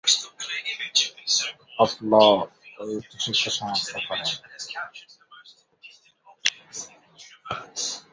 তিনি Presidency College, Kolkata এবং কলকাতা বিশ্ববিদ্যালয়ের কলেজ অফ ল-এ উচ্চশিক্ষা সম্পূর্ণ করেন।